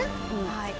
はい。